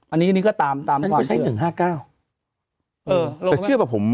อันนี้นี่ก็ตามตามความเชื่อหนึ่งห้าเก้าเออแต่เชื่อแบบผม